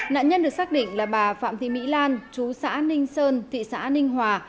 nạn nhân được xác định là bà phạm thị mỹ lan chú xã ninh sơn thị xã ninh hòa